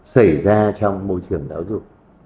xảy ra trong môi trường giáo dục